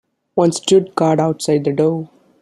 One stood guard outside the door.